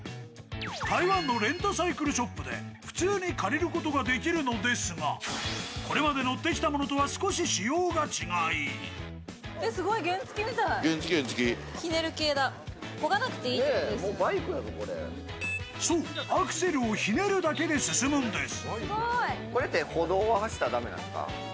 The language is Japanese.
台湾のレンタサイクルショップで普通に借りることができるのですがこれまで乗ってきたものとは少し仕様が違いそうアクセルをひねるだけで進むんです。